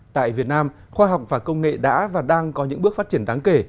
tại việt nam khoa học và công nghệ đã và đang có những bước phát triển đáng kể